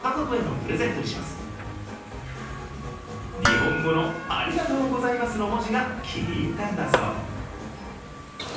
日本語の「ありがとうございます」の文字が気に入ったんだそう。